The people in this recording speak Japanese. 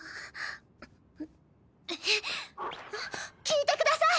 聞いてください！